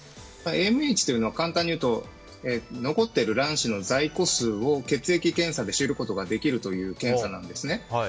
ＡＭＨというのは簡単に言うと残っている卵子の在庫数を血液検査で知ることができるという検査なんですね。